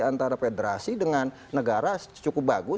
antara federasi dengan negara cukup bagus